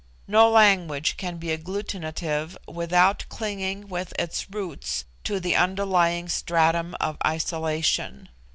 No language can be agglutinative without clinging with its roots to the underlying stratum of isolation."